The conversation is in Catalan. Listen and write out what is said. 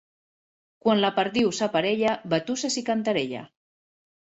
Quan la perdiu s'aparella, batusses i cantarella.